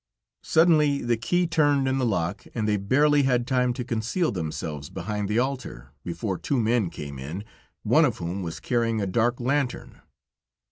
Suddenly, the key turned in the lock, and they barely had time to conceal themselves behind the altar, before two men came in, one of whom was carrying a dark lantern.